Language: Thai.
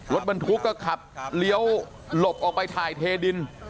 รถบรรทุกก็ขับเลี้ยวหลบออกไปถ่ายเทดิน